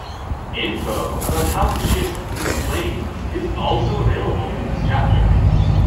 Info about how to shift between planes is also available in this chapter.